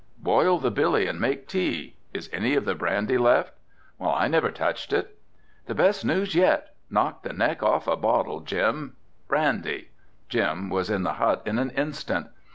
"Boil the billy and make tea. Is any of the brandy left?" "I never touched it." "The best news yet. Knock the neck off a bottle, Jim, brandy." Jim was in the hut in an instant.